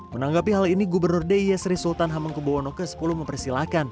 menanggapi hal ini gubernur d y sri sultan hamengkubo ono ke sepuluh mempersilahkan